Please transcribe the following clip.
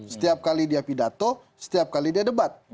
setiap kali dia pidato setiap kali dia debat